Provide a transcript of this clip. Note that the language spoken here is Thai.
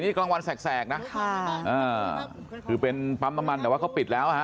นี่กลางวันแสกนะค่ะอ่าคือเป็นปั๊มน้ำมันแต่ว่าเขาปิดแล้วฮะ